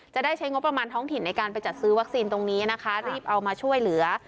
จะได้ใช้งบประมาณท้องถิ่นในการไปจัดซื้อวัคซีนตรงนี้นะคะรีบเอามาช่วยเหลือ